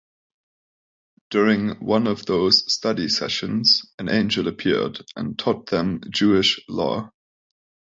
During one of those study sessions, an angel appeared and taught them Jewish law.